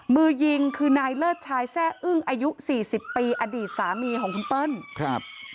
มือยิงคือนายเลิศชายแร่อึ้งอายุสี่สิบปีอดีตสามีของคุณเปิ้ลครับ